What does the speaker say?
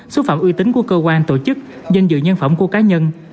xúc phạm uy tín của cơ quan tổ chức danh dự nhân phẩm của cá nhân